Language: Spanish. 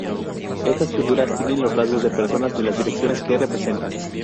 Estas figuras tienen los rasgos de personas de las direcciones que representan.